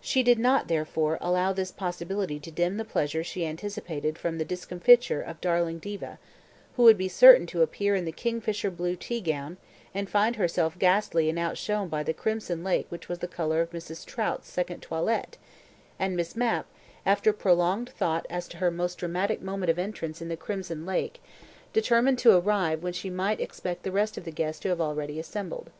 She did not, therefore, allow this possibility to dim the pleasure she anticipated from the discomfiture of darling Diva, who would be certain to appear in the kingfisher blue tea gown, and find herself ghastly and outshone by the crimson lake which was the colour of Mrs. Trout's second toilet, and Miss Mapp, after prolonged thought as to her most dramatic moment of entrance in the crimson lake, determined to arrive when she might expect the rest of the guests to have already assembled.